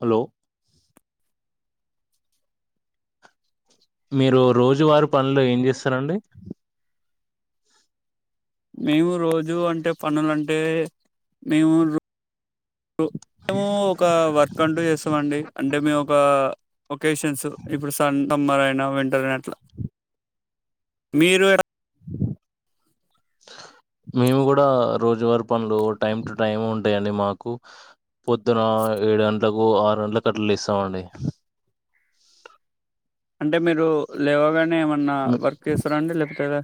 Hello పన్లు ఏం చేస్తారండి మేము రోజు అంటె పనులంటె మేము రో ఉ మేము ఒక వర్క్ అంటూ చేస్తామండి అంటె మేము ఒక ఒకేషన్స్ ఇప్పుడు సన్ సమ్మర్ అయినా వింటర్ అట్ల మీరూ మేము కూడ రోజువారు పనులు టైమ్ టు టైము ఉన్ అండి మాకు పొద్దున ఏడు గంట్లకు ఆరు గంట్లకట్ల లేస్తాం అండి అంటే మీరు లేవగానె ఏమన్నా మ్, వర్క్ చేస్తారా అండి లేపోతే ఎద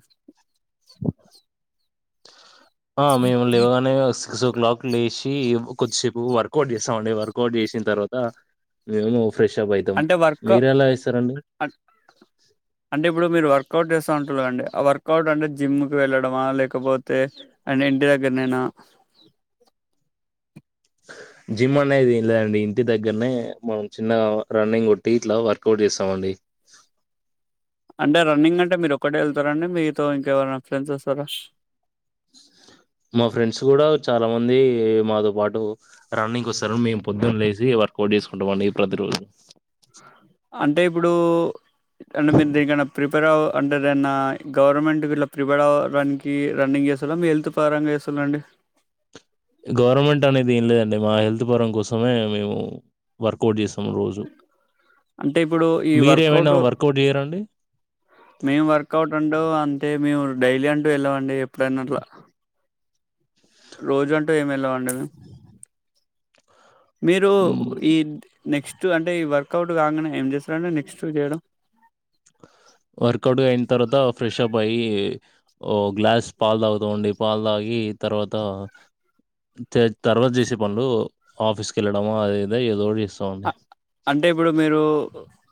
ఆ మేము లేవగానే సిక్సో క్లాక్ కి లేసి కొద్దిసేపు వర్కౌట్ చేస్తామండి వర్కౌట్ చేసిన తర్వాత మేము ఫ్రెష్ అప్ అయితాం అంటే వర్క్ మీరు ఎలా చేస్తారండి అన్ అంటే ఇప్పుడు మీరు వర్క్ కౌట్ చేస్తా అంటారు కదండి ఆ వర్కౌట్ అంటే జిమ్ క వెళ్ళడమా లేకపోతే అన్ని ఇంటి దగ్గరనెనా జిమ్ అనేది ఏం లేదండి ఇంటి దగ్గరనే మనం చిన్నగా రన్నింగ్ కొట్టి ఇట్లా వర్కౌట్ చేస్తామండి అంటె రన్నింగ్ అంటె మీరు ఒక్కటె వెళ్తార అండి మీతొ ఇంకెవరైనా ఫ్రెండ్స్ వస్తారా మా ఫ్రెండ్స్ కూడా చాలా మంది మాతో పాటు రన్నింగ్ కొస్తారు మేము పొద్దున లేసి వర్కౌట్ చేసుకుంటామండి ప్రతిరోజు అంటే ఇప్పుడు యిట్టంటె మేం దెన్ గనం ప్రిపేర్ అవ అంటె ఏదన్న గవర్రమెంట్ గిట్లా ప్రిపేర్ అవ్వడానికి రన్నింగ్ చేస్తాల మీ హెల్త్ పరంగా చేస్తాల అండి గవర్రమెంట్ అనే ఇది ఏం లేదండి మా హెల్త్ పరం కోసమే మేము వర్కౌట్ చేస్తాం అంటే ఇప్పుడు ఈ మీరేమైనా వర్కౌట్ వర్కౌట్ చేయరండి మేము వర్కౌట్ అంటవ్ అంతేమి వ డైలీ అంటు వెళ్ళమండి ఎప్పుడైన అట్ల రోజు అంటు ఏమి ఎల్లమండి మేం మీరు మ్, ఈ నెక్స్ట్ అంటే ఈ వర్కౌట్ కాగానే ఏం చేస్తారంటే నెక్స్ట్ చేయడం వర్కౌట్గ అయినా తర్వాత ఫ్రెష్అప్ అయి ఓ గ్లాస్ పాలు తాగుతూ ఉండి పాలు తాగి తర్వాత చే తర్వాత చేసే పనులు ఆఫీస్కి వెళ్ళడమో అది ఇది ఏదో చేస్త అ అంటే ఇప్పుడు మీరూ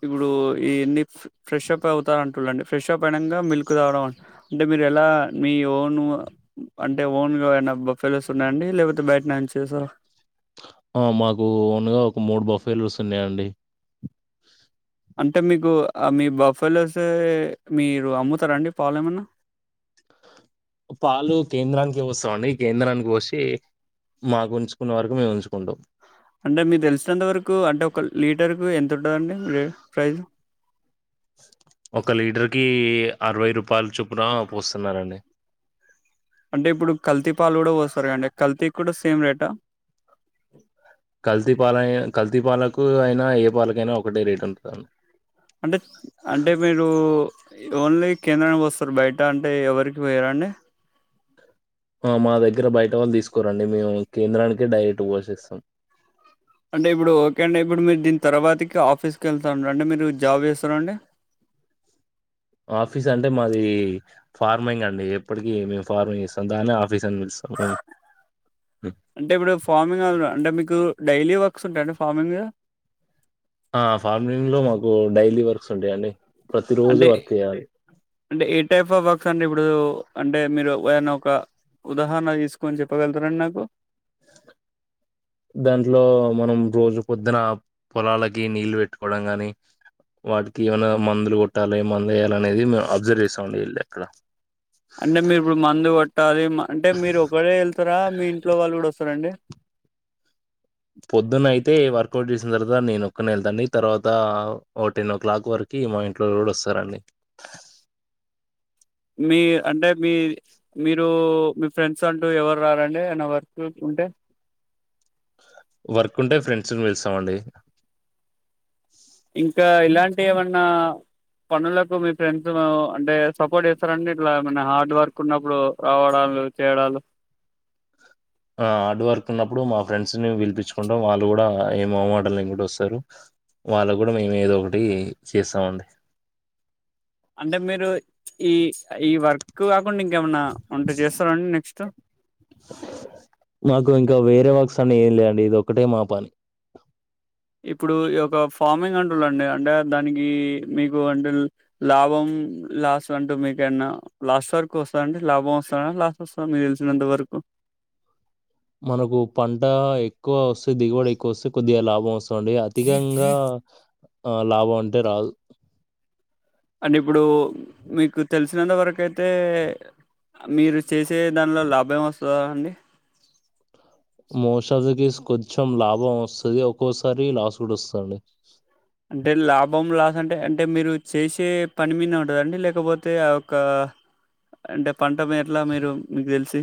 ఇప్పుడు ఇన్ని ఫ్రెష్ అప్ అవుతారు అంటుండి ఫ్రెష్ప్ అయినక మిల్క్ తాగడం అంటే మీరు ఎలా మీ ఓన్ అంటే ఓన్గా అయినా [unintelligible] ఉన్నాయండి లేకపోతే బయ లంచ్ చేసావా ఆ మాకు ఓన్గా ఒక మూడు బఫెలోస్ ఉన్నాయండీ అంటే మీకు మీ బుఫ్ఫేలోస్ మీరు అమ్ముతారా అండి పాలు ఏమనా పాలు కేంద్రానికి పోస్తాం అండి ఈ కేంద్రానికి పోసి మాకు ఉంచుకున్న వరకు మేము ఉంచుకుంటాం అంటే మీరు తెలిసినంత వరకు అంటే ఒక లీటర్ కు ఎంత ఉంటుందండి ప్రైస్ ఒక లీటర్ కీ అరవై రూపాయలు చపున పోస్తున్నారండి అంటే ఇప్పుడు కల్తీ పాలు కూడా పోస్తారు కదా అండి కల్తీ కూడా సేమ్ రేటా కల్తీ పాలు కల్తీ పాలకు అయినా ఏ పాలకు అయినా ఒకటే రేట్ ఉంటుందండి అంటే అంటే మీరు ఓన్లీ కేంద్రానికి పోస్తారు బయట అంటే ఎవరికి పోయరా అండి మా దగ్గర బయట వాళ్ళు తీసుకోరండి మేము కేంద్రానికి డైరెక్ట్ పోసేస్తాం అంటే ఇప్పుడు ఓకే అంటే ఇప్పుడు మీరు దీని తర్వాత ఆఫీస్కి వెళ్తా అనరండి మీరు జాబ్ చేస్తార అండి ఆఫీస్ అంటే మాది ఫార్మింగ్ అండి ఎప్పటికిీ మేము ఫార్మింగ్ చేస్తాం దాన్ని ఆఫీస్ అని పిలుస్తాం మేము అంటే ఇప్పుడు ఫార్మింగ్ అంటే మీకు డైలీ వర్క్స్ ఉంటాయండి ఫార్మింగ్ లో ఆ ఫార్మింగ్ లో మాకు డైలీ వర్క్స్ ఉంటాయండి ప్రతిరోజు అంటే వర్క్ చేయాలి అంటే ఏ టైప్ ఆఫ్ వర్క్స్ అండి ఇప్పుడు అంటే మీరు ఏన ఒక ఉదాహరణ తీసుకని చెప్పగలుగుతారండి నాకు దాంట్లో మనం రోజు పొద్దున పొలాలకి నీళ్ళు పెట్టుకోవడం కాని వాటికి ఏమనా మందులు కొట్టాలి మందు వేయాలి అనేది మేము అబ్జర్వ్ చేస్తామండి వెళ్ళి అక్కడ అంటే మీరు ఇప్పుడు మందు కొట్టాలి అంటే మీరు ఒకరే వెళ్తారా మీ ఇంట్లో వాళ్ళు కూడా వస్తారా అండి పొద్దున అయితే వర్కౌట్ చేసిన తర్వాత నేను ఒక్కన వెళ్తాండి తర్వాత ఓ టెన్ ఓ క్లాక్ వరకు మా ఇంట్లో వాళ్ళు కూడా వస్తారండి మీ అంటే మీ మీరు మీ ఫ్రెండ్స్ అంటూ ఎవరు రారా అండి ఎమ్మన వర్క్ ఉంటే వర్క్ ఉంటే ఫ్రెండ్స్ పిలుస్తాండి ఇంకా ఇలాంటి ఏమన్నా పనులకు మీ ఫ్రెండ్స్ అంటే సపోర్ట్ చేస్తారండి ఇట్లా ఏమన్నా హార్డ్ వర్క్ ఉన్నప్పుడు రావడాలు చేయడాలు హార్డ్ వర్క్ ఉన్నప్పుడు మా ఫ్రెండ్ని పిలిపించుకుంటాం వాళ్ళు కూడా ఏ మొహమాటం లేకుండా వస్తారు వాళ్ళకు కూడా మేము ఏదో ఒకటి చేస్తామండి అంటే మీరు ఈ ఈ వర్క్ [unintelligible] ఇంకేమైన్నా ఉంటే చేస్తారండి నెక్స్ట్ నాకు ఇంకా వేరే వాక్స్ అన్న ఏం లేండి ఇది ఒకటే మా పని ఇప్పుడు ఈ ఒక ఫార్మింగ్ అంటూలండి అంటే దానికి మీకు అంటే లాభం లాస్ అంటే మీకన్నా లాస్ట్ వరకు వస్తందండి లాభం వస్తుంద లాస్ వస్తుంద మీరు తెలిసినంత వరకు మనకు పంట ఎక్కువ వస్తాయి దిగుబడి ఎక్కువ వస్తాయి కొద్దిగా లాభం వస్ డి అధికంగా ఆ లాభం అంటే రాదు అంటే ఇప్పుడు మీకు తెలిసినంతవరకు అయితే మీరు చేసే దానిలో లాభం ఏమైనా వస్తదా అండి మోసాజకిసు కొంచెం లాభం వస్తది ఒక్కోసారి లాస్ కూడా వస్తుండి అంటే లాభం లాస్ అంటే అంటే మీరు చేసే పని మీద ఉంటదండి లేకపోతే ఆ యొక్క అంటే పంట మీ ఎట్లా మీరు మీకు తెలిసి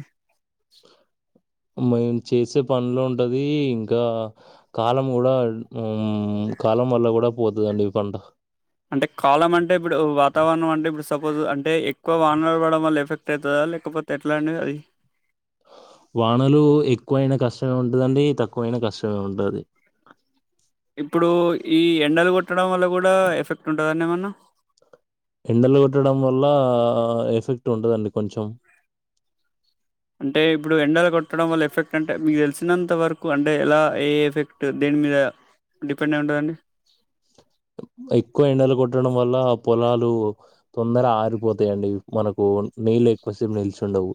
మేము చేసే పని లో ఉంటది ఇంకా కాలం కూడా కాలం వల్ల కూడా పోతుందండి ఈ పంట అంటే కాలం అంటే ఇప్పుడు వాతావరణం అంటే, ఇప్పుడు సపోజ్ అంటే ఎక్కువ వానలు పడడం వల్ల, ఎఫెక్ట్ అవుతదా లేకపోతే ఎట్లా అంటే అది. వానలు ఎక్కువైన కష్టమే ఉంటుందండి. తక్కువైన కష్టమే ఉంటుంది. ఇప్పుడు ఈ ఎండలు కొట్టడం వల్ల కూడా ఎఫెక్ట్ ఉంటందండి ఏమన్నా. ఎండలు కొట్టడం వల్ల ఎఫ్ ఎఫెక్ట్ ఉంటదండి కొంచెం అంటే ఇప్పుడు ఎండలు కొట్టడం వల్ల ఎఫెక్ట్ అంటే, మీకు తెలిసినంత వరకు అంటే ఎలా ఏ ఎఫెక్ట్ దేని, మీద డిపెండ్ అయి ఉంటుందండి. ఎక్కువ ఎండలు కొట్టడం వల్ల పొలాలు తొందర ఆరిపోతాయండి. మనకు నీళ్ళు ఎక్కువసేపు నిల్చుండవు.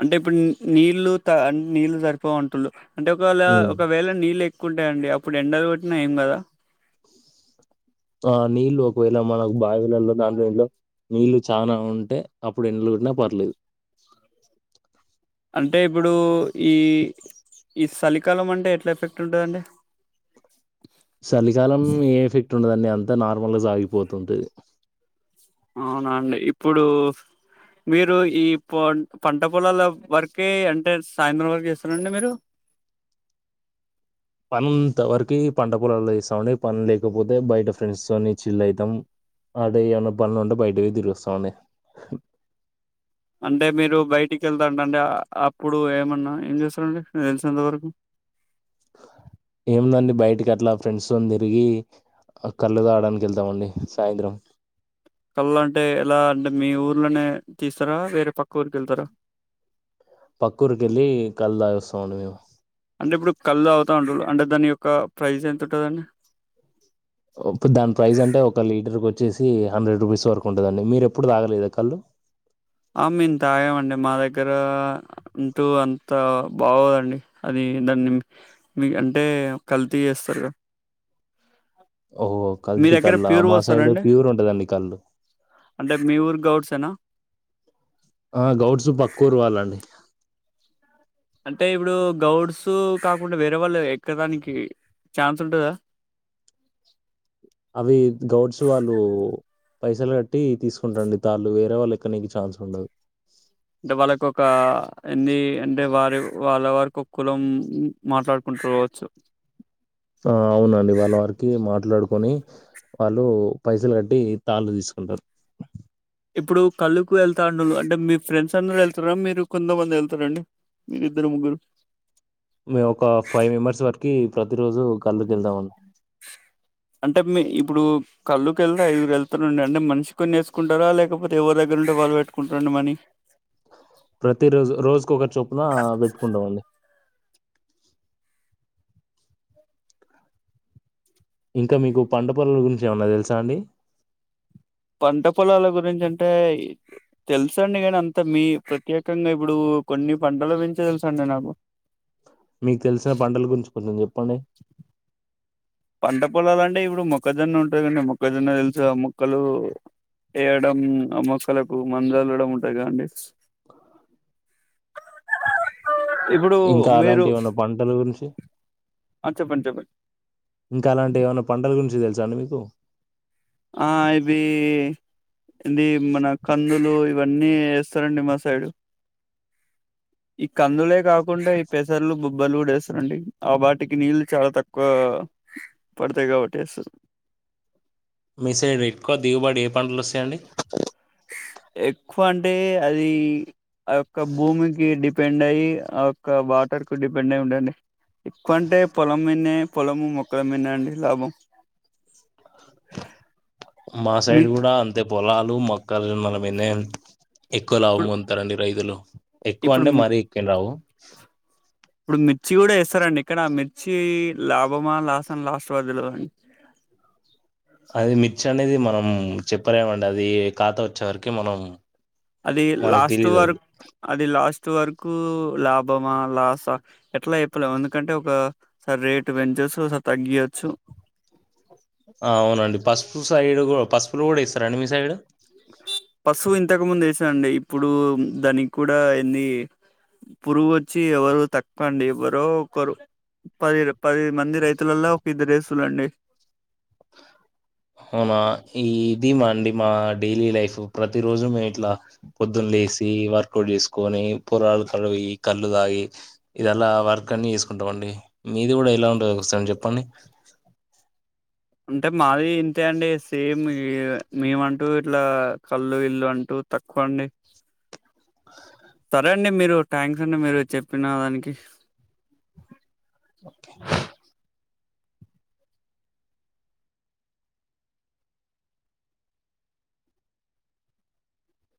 అంటే ఇప్పుడు నీళ్లు త నీళ్లు సరిపోవ అంటు అంటే ఒకవేళ హ్మ్ ఒకవేళ నీళ్ళు కుంటాయండి అప్పుడు ఎండలు కొట్టినా ఏం కాదు ఆ నీళ్ళు ఒకవేళ మనకు బావిలల్లో దాంట్లో దీంట్లో నీళ్ళు చానా ఉంటే అప్పుడు ఎండలు కొట్టినా పర్లేదు. అంటే ఇప్పుడు ఈ ఈ చలికాలం అంటే ఎట్లా ఎఫెక్ట్ ఉంటుందండి. చలికాలం ఏ ఎఫెక్ట్ ఉండదన్నే అంతా నార్మలైస్ ఆగిపోతు ఉంటది అవునా అండి. ఇప్పుడు మీరు ఈ ప పంట పొలాల వరకే, అంటే సాయంత్రం వరకు ఇస్తనండి మీరు. పనుంత వరకు పంట పొలాల్లో ఏస్తామండి. పని లేకపోతే బయట ఫ్రెండ్స్ తోని చిల్లు అవుతాం. అటు ఏమన్న పనులు ఉంటే బయటకి తిరుగొస్తామండి. ఎంట అండి అప్పుడు ఏమన్నా ఏం చేస్తారండి తెలిసినంతవరకు ఏముందండి బయటికి అట్లా ఫ్రెండ్స్తోనీ తిరిగి కళ్ళు తాగడానికి వెళ్తామండి సాయంత్రం కళ్ళు అంటే ఎలా అంటే మీ ఊర్లోనే తీస్తారా వేరే పక్క ఊరికి వెళ్తారా పక్కూరికి వెళ్ళి కళ్ళు తాగి వస్తామండి మేము అంటే ఇప్పుడు కళ్ళు తాగుతా ఉంటడు అంటే దాని యొక్క ప్రైస్ ఎంత ఉంటుందండి ఉప్పు దాని ప్రైస్ అంటే ఒక లీటర్కి వచ్చేసి హండ్రెడ్ రూపీస్ వరకు ఉంటుందండి. మీరు ఎప్పుడు తాగలేదా కళ్ళు. ఆ మేము తాగామండి మా దగ్గర అంటూ అంత బాగోదండి. అది దాన్ని మీ అంటే కల్తీ చేస్తారు కదా. ఓహో! మీ కల్తీ దగ్గర కల్లా ప్యూరు మా సైడ్ పోస్తారండి ప్యూర్ ఉంటదండి కల్లు. అంటే మీ ఊరు గౌడ్సేనా ఆ గౌడ్సు పక్కురు వాళ్లండి అంటే ఇప్పుడు గౌడ్స్ కాకుండా వేరే వాళ్ళు ఎక్కేదా నికి ఛాన్స్ ఉంటదా అవి గౌడ్స్ వాళ్ళు పైసలు కట్టి తీసుకుంటారండి. తళ్ళు వేరే వాళ్ళు ఎక్కనేకి ఛాన్స్ ఉండదు. అంటే వాళ్ళకు ఒక ఎన్ని అంటే వారి వాళ్ళ వరకు ఒక కులం మాట్లాడుకుంటు పోవచ్చు. ఆ అవునండి వాళ్ళ వారికి మాట్లాడుకొని, వాళ్ళు పైసలు కట్టి తాళ్ళు తీసుకుంటారు. ఇప్పుడు కళ్ళుకు వెళ్తా ఉండళ్ళు అంటే మీ ఫ్రెండ్స్ అందరు వెళ్తారా. మీరు కొంతమంది వెళ్తారండి మీరిద్దరు ముగ్గురు. మేము ఒక ఫైవ్ మెంబర్స్ కీ ప్రతి రోజు కళ్ళు తిందామని అంటే మీ ఇప్పుడు కళ్ళుకి వెళ్తా ఐదురు వెళ్తారుండి అంటే మనిషి కొని వేసుకుంటారా లేకపోతే, ఎవరి దగ్గర ఉంటే వాళ్ళు పెట్టుకుంటారండి మని. ప్రతి రోజు రోజుకొకరు చొప్పున పెట్టుకుంటాం అండి ఇంకా మీకు పంట పోలాల గురించి ఏమనా తెలుసా అండి పంట పొలాల గురించి అంటే తెలుసండి కానీ అంత మీ ప్రత్యేకంగా ఇప్పుడు కొన్ని పంటల గురించే తెలుసండి నాకు పణ పంట పొలాలంటే ఇప్పుడు మొక్కజొన్న ఉంటాందిండి మొక్కజొన్న తెలుసు ఆ మొక్కలు వేయడం ఆ మొక్కలకు మందు చల్లడం ఉంటది కదండి [inaudible] ఇప్పుడు ఇంకా మీరు అలాంటి ఎమన్న పంటల గురించి ఆ చెప్పండి చెప్పండి ఇంకా అలాంటి ఏమైన్నా పంటల గురించి తెలుస జన్మకు ఆ ఇది ఇది మన కందులు ఇవన్నీ వేస్తారండి మా సైడు ఈ కందులే కాకుండా ఈ పెసర్లు బొబ్బలు వడేస్తారంండి ఆ వాటికి నీళ్లు చాలా తక్కువ పడతాయిగాబట్టేస్తారు మీ సైడ్ ఎక్కు దిగుబడి ఏ పంటలు వస్తాయండి ఎ క్కువ అంటే అది ఆ యొక్క భూమికి డి డిపెండ్ అయ్యి ఆ యొక్క వాటర్ కు డిపెండ్ అయి ఉండండి ఎక్కువ అంటే పొలం మిన్న పొలము మొక్కలమీన్నే అండి లాభం మా మీ సైడ్ కూడా అంతే పొలాలు మొ క మల మీద ఎక్కువ లాభం ఇప్పుడు పొందుతారండి రైతులు ఎక్కువ ఇప్పుడు అంటే మరీ ఎక్కువ రావు [inaudible] ఇప్పుడు మిర్చి కూడా ఎస్తారండి ఇక్కడ మిర్చి లాభమా లాసం లాస్ట్ వరకు తెల్వదండి అది మిర్చి అనేది మనం చెప్పలేమండి అది ఖాతా వచ్చే వరకి మనం అది మనకు లాస్ట్ తెలియదు అది వర్క్ అది లాస్ట్ ట్ వరకు లాభమా లాసా ఎట్లా అయిపోలే ఎందుకంటే ఒకసారి రేటు పెంచొచ్చు ఒసారి తగ్గియచ్చు అవునండి పసుపు సైడ్ పసుపు ఫ్లోడ్ ఎస్తార అండి మీ సైడ్ పసువు ఇంతకు ముందు వేసాండి ఇప్పుడు దానికి కూడా ఏంది పురుగు వచ్చి ఎవరు తకువండి ఎవరో ఒకరు పది పది మంది రైతులలో ఒక ఇద్దరేస్తుల్లండి అవునా ఈ ఇదిమా అండి మా డైలీ లైఫ్ ప్రతి రోజు మేము ఇట్లా పొద్దున్న లేసి వర్కౌట్ చేసుకొని పొరాలు కల కళ్ళు తాగి ఇదిలా వర్క్ అన్ని చేసుకుంటాం అండి మీది కూడా ఎలా ఉంటుంది ఒకసారి చెప్పండి అంటే మాది ఇంతే అండి సేమ్ మేము అంటూ ఇట్లా కళ్ళు ఇల్లు అంటూ తక్కువ అండి [inaudible] సరే అండి మీరు థ్యాంక్స్ అండి మీరు చెప్పిన దానికి ఓకే